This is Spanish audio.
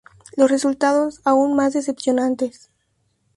Los resultados, aún más decepcionantes.